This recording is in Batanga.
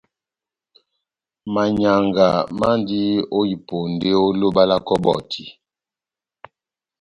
Manyianga mandi ó iponde ó loba lá kɔbɔti.